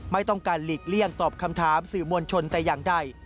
ไม่ต้องการหลีกเลี่ยงตอบคำถามสื่อมวลชนแต่อย่างใด